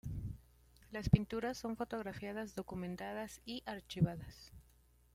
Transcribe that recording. Las pinturas son fotografiadas, documentadas y archivadas.